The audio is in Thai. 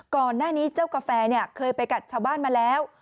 กรณ์หน้านี้จ้าวกาแฟเคยไปกับชาวบ้านมาแล้ว